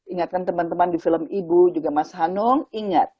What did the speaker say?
ingatkan teman teman di film ibu juga mas hanung ingat